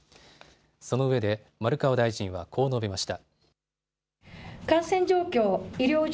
そのうえで丸川大臣はこう述べました。